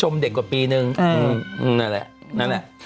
ชมเด็กกว่าปีนึงนั่นแหละ